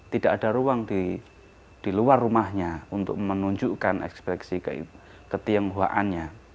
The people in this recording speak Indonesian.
tidak ada ruang di luar rumahnya untuk menunjukkan ekspresi ketionghoaannya